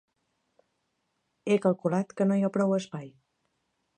He calculat que no hi ha prou espai.